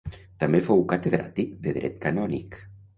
També fou catedràtic de dret canònic.